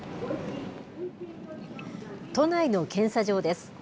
都内の検査場です。